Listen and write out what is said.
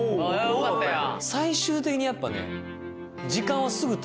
よかったやん